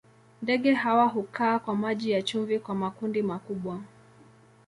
Ndege hawa hukaa kwa maji ya chumvi kwa makundi makubwa.